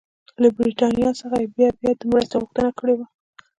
له برټانیې څخه یې بیا بیا د مرستې غوښتنه کړې وه.